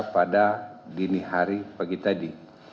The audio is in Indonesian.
pada dini hari pagi tadi